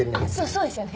そうですよね。